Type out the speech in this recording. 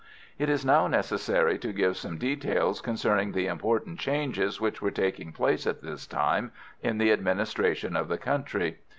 It is now necessary to give some details concerning the important changes which were taking place at this time in the administration of the country.